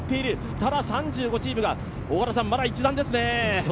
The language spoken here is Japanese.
ただ、３５チームがまだ一団ですね。